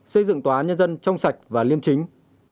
xây dựng tòa án nhân dân trong sạch và liêm chính